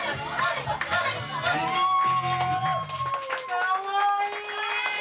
かわいい！